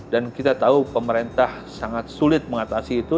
dan kita tahu pemerintah sangat sulit mengatasi itu